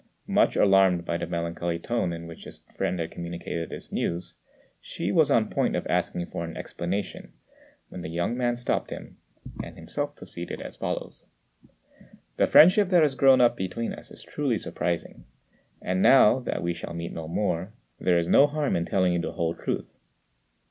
Much alarmed by the melancholy tone in which his friend had communicated this news, Hsü was on the point of asking for an explanation, when the young man stopped him, and himself proceeded as follows: "The friendship that has grown up between us is truly surprising; and, now that we shall meet no more, there is no harm in telling you the whole truth.